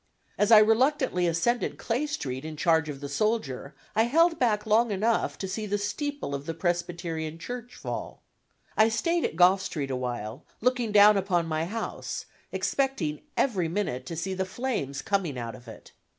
As I reluctantly ascended Clay Street in charge of the soldier, I held back long enough to see the steeple of the Presbyterian Church fall. I stayed at Gough Street a while, looking down upon my house, expecting every minute to see the flames coming out of it.